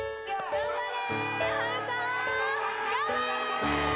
頑張れ！